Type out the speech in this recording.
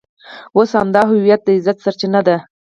اوس همدا هویت د عزت سرچینه ده.